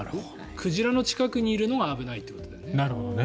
鯨の近くにいるのが危ないということだよね。